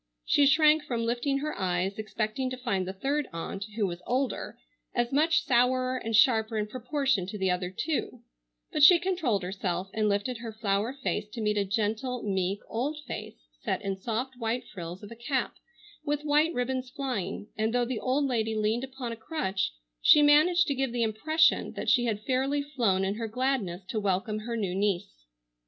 She shrank from lifting her eyes, expecting to find the third aunt, who was older, as much sourer and sharper in proportion to the other two, but she controlled herself and lifted her flower face to meet a gentle, meek, old face set in soft white frills of a cap, with white ribbons flying, and though the old lady leaned upon a crutch she managed to give the impression that she had fairly flown in her gladness to welcome her new niece.